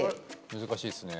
難しいですね。